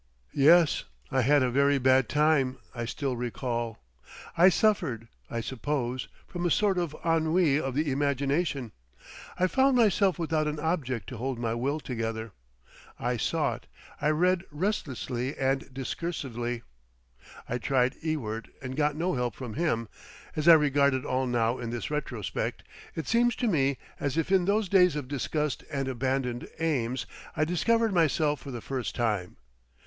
Yes, I had a very bad time—I still recall. I suffered, I suppose, from a sort of ennui of the imagination. I found myself without an object to hold my will together. I sought. I read restlessly and discursively. I tried Ewart and got no help from him. As I regard it all now in this retrospect, it seems to me as if in those days of disgust and abandoned aims I discovered myself for the first time.